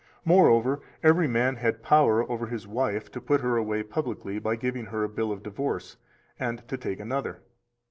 295 Moreover, every man had power over his wife to put her away publicly by giving her a bill of divorce, and to take another.